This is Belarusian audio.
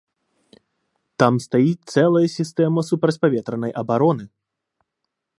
Там стаіць цэлая сістэма супрацьпаветранай абароны!